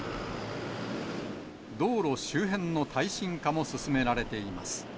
道路周辺の耐震化も進められています。